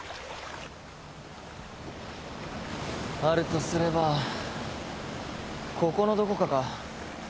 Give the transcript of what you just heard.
あるとすればここのどこかか。